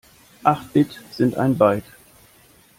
Acht Bit sind ein Byte.